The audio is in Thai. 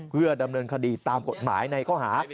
เพื่อดำเนินคดีตามกฎหมายในข้อหา